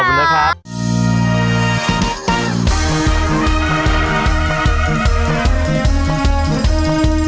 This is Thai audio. โปรดติดตามตอนต่อไป